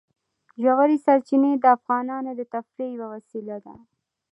ژورې سرچینې د افغانانو د تفریح یوه وسیله ده.